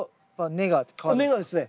根がですね